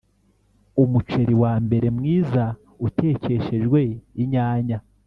(umuceri wa mbere mwiza utekeshejwe inyanya)